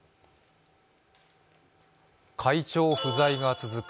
会長不在が続く